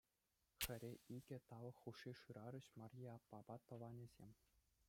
Хӗре икӗ талӑк хушши шырарӗҫ Марье аппапа тӑванӗсем.